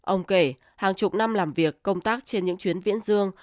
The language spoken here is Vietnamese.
ông kể hàng chục năm làm việc công tác trên những chuyến viễn dương